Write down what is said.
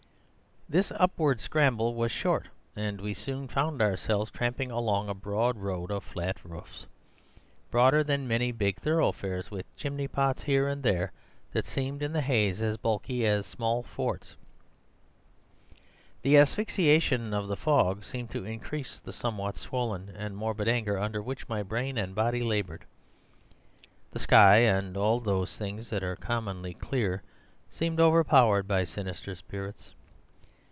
"This upward scramble was short, and we soon found ourselves tramping along a broad road of flat roofs, broader than many big thoroughfares, with chimney pots here and there that seemed in the haze as bulky as small forts. The asphyxiation of the fog seemed to increase the somewhat swollen and morbid anger under which my brain and body laboured. The sky and all those things that are commonly clear seemed overpowered by sinister spirits.